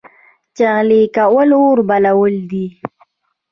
چغلي کول اور بلول دي